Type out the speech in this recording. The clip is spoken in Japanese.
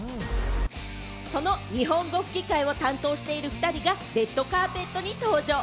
その日本語吹き替えを担当している２人がレッドカーペットに登場。